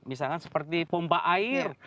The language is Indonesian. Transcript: misalkan seperti pompa air